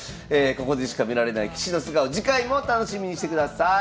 ここでしか見られない棋士の素顔次回も楽しみにしてください。